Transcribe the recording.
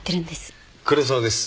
黒沢です。